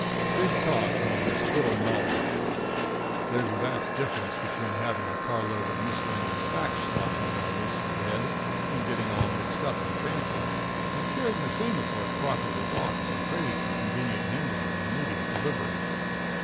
Big talk means little knowledge. There's a vast difference between having a carload of miscellaneous facts sloshing around loose in your head and getting all mixed up in transit, and carrying the same assortment properly boxed and crated for convenient handling and immediate delivery.